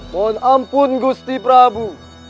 mohon ampun gusti prabu